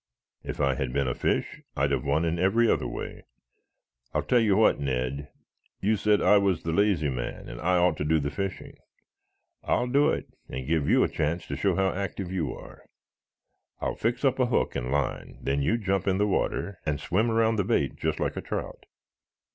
"If I had been a fish I'd have won in every other way. I'll tell you what, Ned. You said I was the lazy man and I ought to do the fishing. I'll do it and give you a chance to show how active you are. I will fix up a hook and line, then you jump in the water and swim around the bait just like a trout.